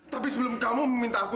tapi sebelum kamu meminta aku